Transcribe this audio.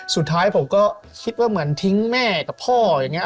สุดท้ายผมก็คิดว่าเหมือนทิ้งแม่กับพ่ออย่างนี้